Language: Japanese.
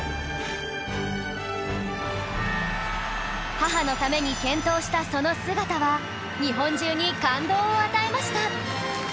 母のために健闘したその姿は日本中に感動を与えました